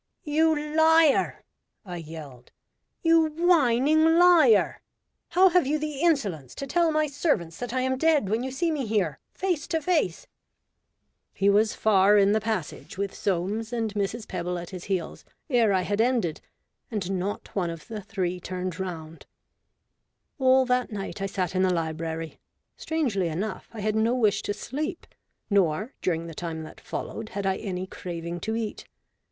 "You liar!" I yelled, "You whining liar! How have you the insolence to tell my servants that I am dead, when you see me here face to face ?" He was far in the passage, with Soames WHEN I WAS DEAD. 137 and Mrs. Pebble at his heels, ere I had ended, and not one of the three turned round, All that night I sat in the library. Strangely enough, I had no wish to sleep, nor, during the time that followed, had I any craving to eat.